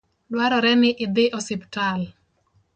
Dwarore ni idhi osiptal